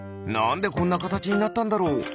なんでこんなかたちになったんだろう？